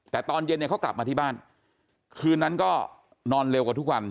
แต่ตอนเย็นเนี่ยเขากลับมาที่บ้านคืนนั้นก็นอนเร็วกว่าทุกวัน